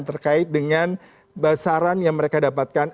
terkait dengan basaran yang mereka dapatkan